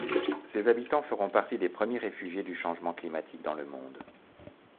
Ses habitants feront partie des premiers réfugiés du changement climatique dans le monde.